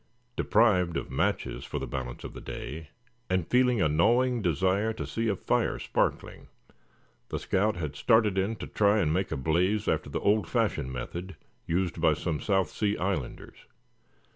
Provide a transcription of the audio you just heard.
Deprived of matches for the balance of the day, and feeling a gnawing desire to see a fire sparkling, the scout had started in to try and make a blaze after the old fashioned method used by some South Sea islanders.